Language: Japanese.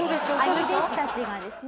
兄弟子たちがですね